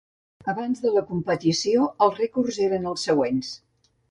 Abans de la competició, els rècords eren els següents.